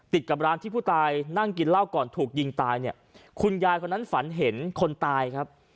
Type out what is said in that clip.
ติดกับร้านที่ผู้ตายนั่งกินเหล้าก่อนถูกยิงตายเนี่ยคุณยายคนนั้นฝันเห็นคนตายครับ